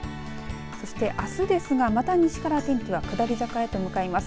そしてあすですがまた西から天気は下り坂へと向かいます。